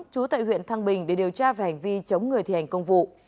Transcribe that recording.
chú tại huyện thăng bình để điều tra về hành vi chống người thi hành công vụ